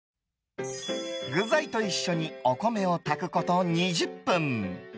具材と一緒にお米を炊くこと２０分。